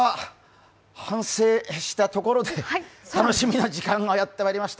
反省したところで、楽しみな時間がやってきました。